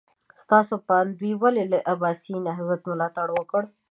ستاسو په اند دوی ولې له عباسي نهضت ملاتړ وکړ؟